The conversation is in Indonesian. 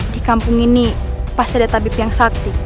di kampung ini pasti ada tabib yang sakti